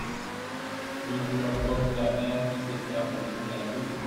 Il n’y a pas que ta mère qui sait faire de bons gâteaux.